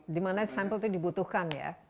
dimana sampel itu dibutuhkan ya